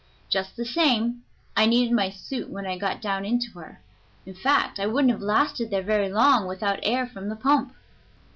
Just the same, I needed my suit when I got down into her in fact, I wouldn't have lasted there very long without air from the pump."